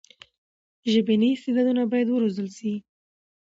ژبني استعدادونه باید وروزل سي.